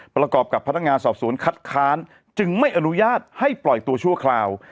ประกอบกับพนักงานสอบสวนคัดค้านจึงไม่อนุญาตให้ปล่อยตัวชั่วคราว